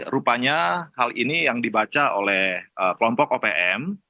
rupanya hal ini yang dibaca oleh kelompok opm